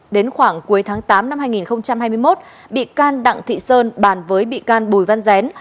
đến khoảng cuối tháng tám năm hai nghìn hai mươi một bị can đặng thị sơn bàn với bị can bùi văn dén